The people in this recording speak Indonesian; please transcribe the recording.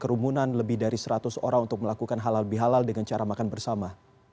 kerumunan lebih dari seratus orang untuk melakukan halal bihalal dengan cara makan bersama